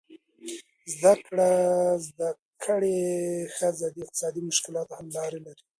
زده کړه ښځه د اقتصادي مشکلاتو حل لارې لري.